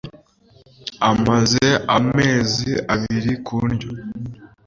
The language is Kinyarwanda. Amaze amezi abiri ku ndyo.